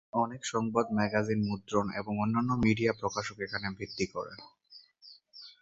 অনেক সংবাদ, ম্যাগাজিন, মুদ্রণ এবং অন্যান্য মিডিয়া প্রকাশক এখানে ভিত্তি করে।